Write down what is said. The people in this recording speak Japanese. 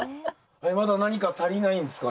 まだ何か足りないんすかね？